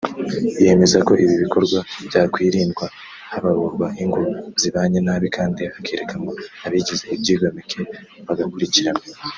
yemeza ko ibi bikorwa byakwirindwa habarurwa ingo zibanye nabi kandi hakerekanwa abigize ibyigomeke bagakurikiranwa